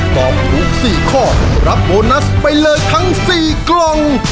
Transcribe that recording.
ตอบถูก๔ข้อรับโบนัสไปเลยทั้ง๔กล่อง